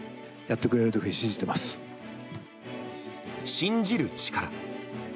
信じる力。